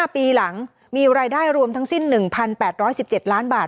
ปีหลังมีรายได้รวมทั้งสิ้น๑๘๑๗ล้านบาท